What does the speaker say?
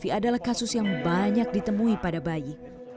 masih adalah kasus yang banyak ditemui pada bayi